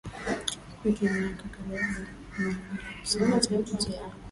kwikwi miaka karibu Mia mbili hamsini Hata nje ya